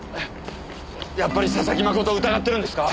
やっぱり佐々木真人を疑ってるんですか？